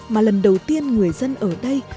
mà lần đầu tiên người dân ở đây